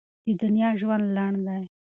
د دنیا ژوند لنډ دی.